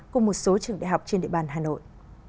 cùng một số trường đại học trên địa bàn hà nội